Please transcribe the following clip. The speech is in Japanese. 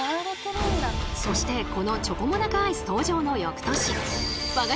そしてこのチョコモナカアイス登場の翌年それが。